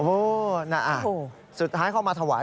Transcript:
โอ้โฮสุดท้ายเขามาถวาย